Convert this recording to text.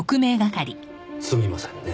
すみませんねぇ。